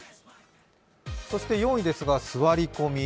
そして４位ですが、座り込み。